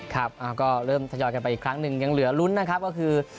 ครับก็เริ่มทยอยกันไปอีกครั้งหนึ่งยังเหลือลุ้นนะครับก็คือ